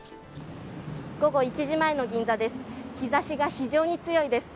午後１時前の銀座です。